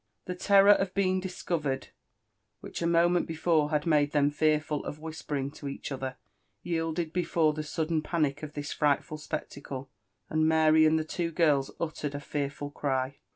The terror of being discovered, which a moment before had made them fearful of whispering to each other, yielded before the sudden panic of this frightful spectacle, and Hary and the two girls uttered a fearful cry.